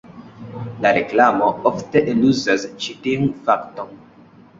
La reklamo ofte eluzas ĉi tiun fakton.